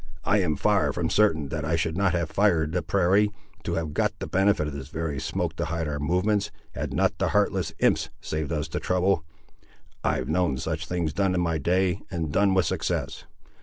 I am far from certain that I should not have fired the prairie, to have got the benefit of this very smoke to hide our movements, had not the heartless imps saved us the trouble. I've known such things done in my day, and done with success.